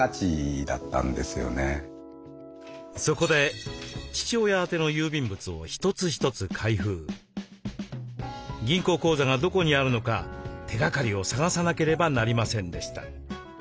そこで銀行口座がどこにあるのか手がかりを探さなければなりませんでした。